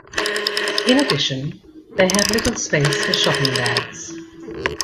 In addition, they have little space for shopping bags.